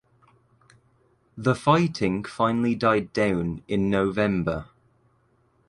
The fighting finally died down in November.